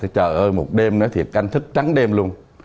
trời ơi một đêm nữa thiệt anh thức trắng đêm luôn